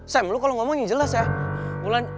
sam lo kalau ngomongnya jelas ya